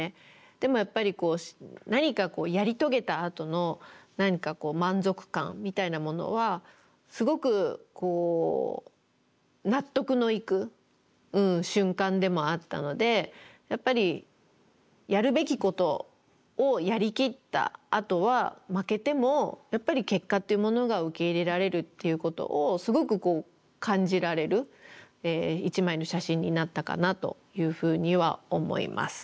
でもやっぱり何かやり遂げたあとの満足感みたいなものはすごく納得のいく瞬間でもあったのでやっぱりやるべきことをやりきったあとは負けてもやっぱり結果っていうものが受け入れられるっていうことをすごく感じられる１枚の写真になったかなというふうには思います。